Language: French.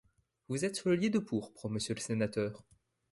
Vous êtes sur le lit de pourpre, monsieur le sénateur.